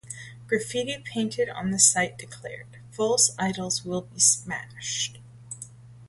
Graffiti painted on the site declared: False idols will be smashed!